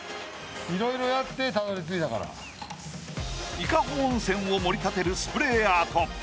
伊香保温泉を盛り立てるスプレーアート。